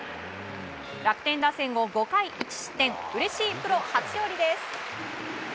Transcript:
楽天打線を５回１失点うれしいプロ初勝利です。